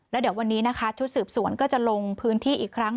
แล้วเนื้อวันนี้ชุดสืบส่วนก็จะลงพื้นที่อีกครั้ง